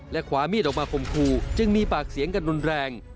และคว้ามิดออกมาขงครูจึงมีปากเสียงกันรุนแรง